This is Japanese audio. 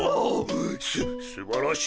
すすばらしい！